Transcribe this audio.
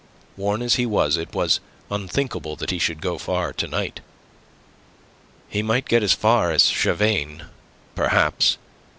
Worn as he was, it was unthinkable that he should go far to night. He might get as far as Chavagne, perhaps.